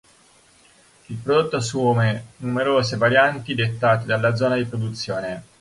Il prodotto assume numerose varianti dettate dalla zona di produzione.